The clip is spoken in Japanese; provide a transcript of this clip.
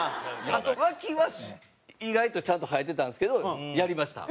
あとワキは意外とちゃんと生えてたんですけどやりました。